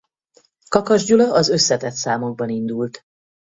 Kakas Gyula az összetett számokban indult.